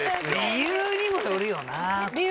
理由にもよるよな